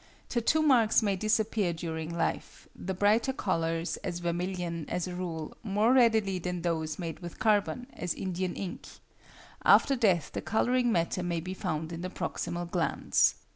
Tattoo marks may disappear during life; the brighter colours, as vermilion, as a rule, more readily than those made with carbon, as Indian ink; after death the colouring matter may be found in the proximal glands.